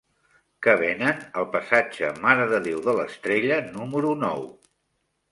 Què venen al passatge Mare de Déu de l'Estrella número nou?